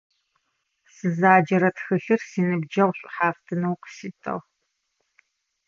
Сызаджэрэ тхылъыр синыбджэгъу шӀухьафтынэу къыситыгъ.